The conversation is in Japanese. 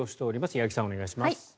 八木さん、お願いします。